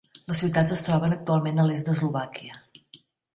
Les ciutats es troben actualment a l'est d'Eslovàquia.